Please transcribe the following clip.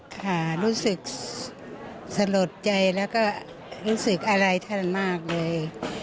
ค่ะรู้สึกสะหรวดใจและเรียกอารัยท่านมากเลย